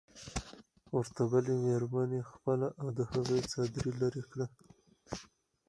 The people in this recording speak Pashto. ورته بلې مېرمنې خپله او د هغې څادري لرې کړه.